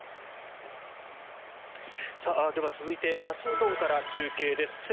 では、続いてワシントンから中継です。